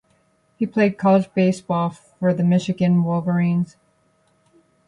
He played college baseball for the Michigan Wolverines.